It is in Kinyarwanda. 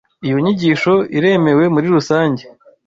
Iyo nyigisho iremewe muri rusange.